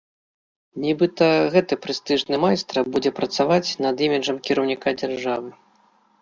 Нібыта, гэты прэстыжны майстра будзе працаваць над іміджам кіраўніка дзяржавы.